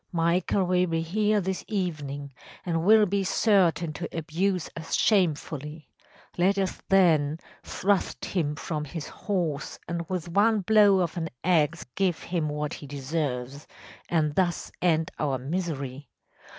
Michael will be here this evening, and will be certain to abuse us shamefully. Let us, then, thrust him from his horse and with one blow of an axe give him what he deserves, and thus end our misery.